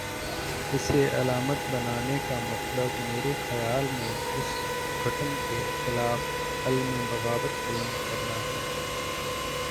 اسے علامت بنانے کا مطلب، میرے خیال میں اس گھٹن کے خلاف علم بغاوت بلند کرنا ہے۔